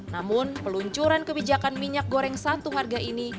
namun peluncuran kebijakan minyak goreng satu harga ini